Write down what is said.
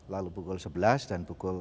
lalu pukul sebelas dan pukul tujuh belas